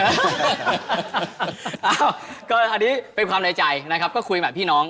อันนี้เป็นความในใจนะครับก็คุยแบบพี่น้อง